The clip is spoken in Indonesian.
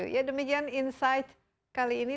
ya demikian insight kali ini